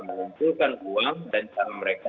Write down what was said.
mengumpulkan uang dan cara mereka